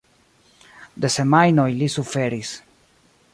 De semajnoj li suferis.